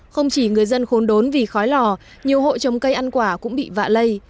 không chỉ người dân khốn đốn vì khói lò nhiều hộ trồng cây ăn quả cũng bị vạ lây